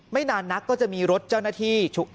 นานนักก็จะมีรถเจ้าหน้าที่